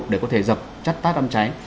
để có thể dập chất tác âm cháy